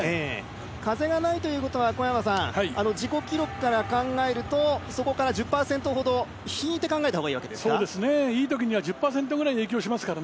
風がないということは小山さん、自己記録から考えるとそこから１０％ほど引いて考えたほうがいいんでしょうか？